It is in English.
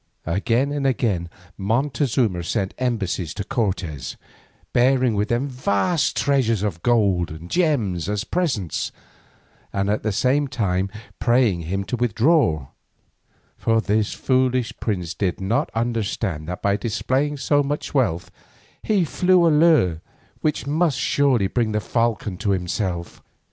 Again and again Montezuma sent embassies to Cortes, bearing with them vast treasures of gold and gems as presents, and at the same time praying him to withdraw, for this foolish prince did not understand that by displaying so much wealth he flew a lure which must surely bring the falcon on himself.